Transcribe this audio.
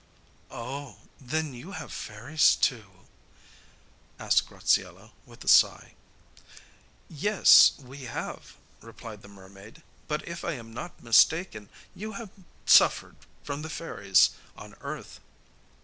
'Oh, then, you have fairies, too?' asked Graziella, with a sigh. 'Yes, we have,' replied the mermaid; 'but if I am not mistaken you have suffered from the fairies on earth.